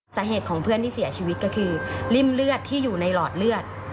สาเหตุของเพื่อนที่เสียชีวิตก็คือริ่มเลือดที่อยู่ในหลอดเลือด